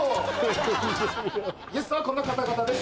ゲストはこの方々です。